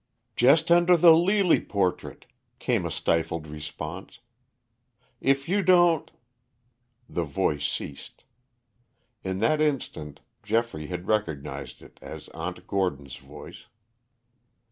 "Just under the Lely portrait," came a stifled response. "If you don't " The voice ceased. In that instant Geoffrey had recognized it as Aunt Gordon's voice.